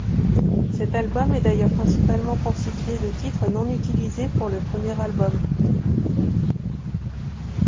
Cet album est d'ailleurs principalement constitué de titres non utilisés pour le premier album.